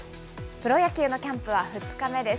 プロ野球のキャンプは２日目です。